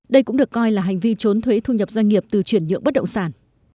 đây cũng được coi là hành vi trốn thuế thu nhập doanh nghiệp từ chuyển nhượng bất động sản